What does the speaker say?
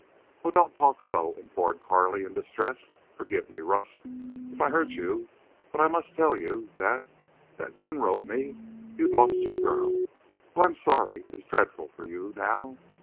"Oh, don't talk so!" implored Carley in distress. "Forgive me, Rust, if I hurt you. But I must tell you—that—that Glenn wrote me—you'd lost your girl. Oh, I'm sorry! It is dreadful for you now.